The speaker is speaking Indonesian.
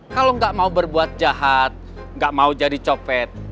kalau gak mau berbuat jahat gak mau jadi copet